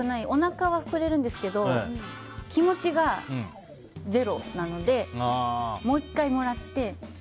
おなかは膨れるんですけど気持ちがゼロなのでもう１回もらって。